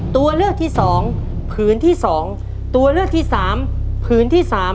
ตัวเลือกที่สองผืนที่สองตัวเลือกที่สามผืนที่สาม